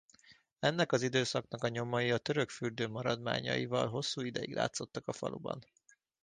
Ennek az időszaknak a nyomai a török fürdő maradványaival hosszú ideig látszottak a faluban.